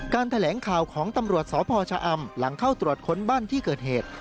แถลงข่าวของตำรวจสพชะอำหลังเข้าตรวจค้นบ้านที่เกิดเหตุ